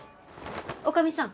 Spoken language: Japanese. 女将さん。